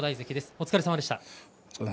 お疲れさまでした。